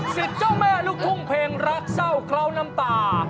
สิทธิ์เจ้าแม่ลูกทุ่มเพลงรักเศร้าเกลาน้ำตา